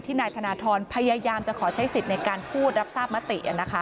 นายธนทรพยายามจะขอใช้สิทธิ์ในการพูดรับทราบมติ